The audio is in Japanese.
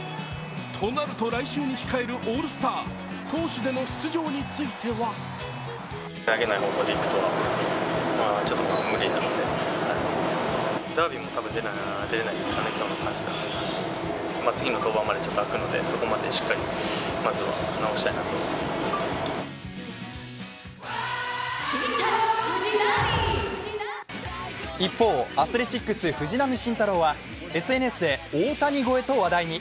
となると来週に控えるオールスター、投手での出場については一方、アスレチックス・藤浪晋太郎はＳＮＳで大谷超えと話題に。